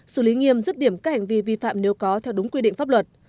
xử lý nghiêm dứt điểm các hành vi vi phạm nếu có theo đúng quy định pháp luật